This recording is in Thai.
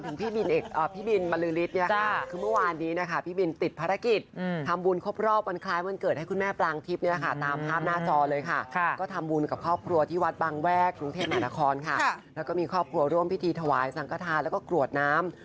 คือเมื่อวานนี้พี่บินติดภารกิจทำบุญครอบรอบเมืองคล้ายเวินเกิดให้คุณแม่ปรางทิพย์ตามภาพหน้าจอเลยค่ะ